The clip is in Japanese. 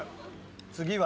次は？